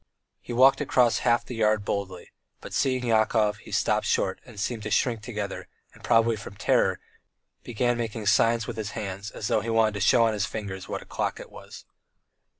He walked across half the yard boldly, but seeing Yakov he stopped short, and seemed to shrink together, and probably from terror, began making signs with his hands as though he wanted to show on his fingers what o'clock it was.